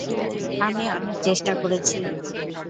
আমি অনেক চেষ্টা করেছি।